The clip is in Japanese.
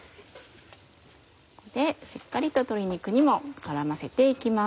ここでしっかりと鶏肉にも絡ませて行きます。